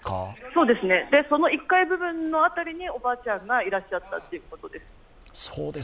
そうですね、その１階部分の辺りにおばあちゃんがいらっしゃったということです。